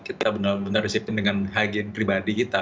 kita benar benar disiplin dengan hygiene pribadi kita